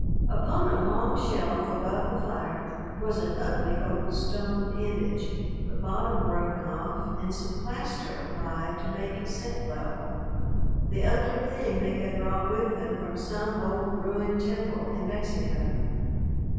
Upon a long shelf above the fire was an ugly old stone image, the bottom broken off and some plaster applied to make it set level. The ugly thing they had brought with them from some old ruined temple in Mexico.